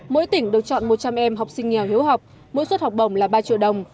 mỗi tỉnh được chọn một trăm linh em học sinh nghèo hiếu học mỗi suất học bổng là ba triệu đồng